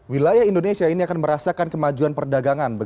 wilayah indonesia ini akan merasakan kemajuan perdagangan